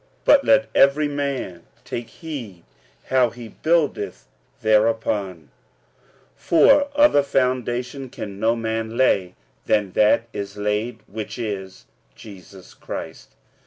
But let every man take heed how he buildeth thereupon. 46:003:011 For other foundation can no man lay than that is laid, which is Jesus Christ.